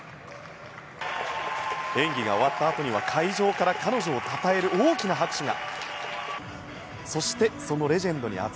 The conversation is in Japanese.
演技が終わったあとには会場から彼女を称える大きな拍手が。